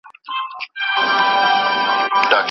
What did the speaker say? هغې ویلي، ملاتړ او حضور خورا مهم دي.